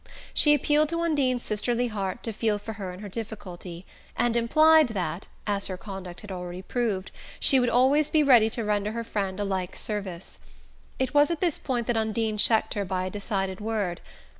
She appealed to Undine's sisterly heart to feel for her in her difficulty, and implied that as her conduct had already proved she would always be ready to render her friend a like service. It was at this point that Undine checked her by a decided word.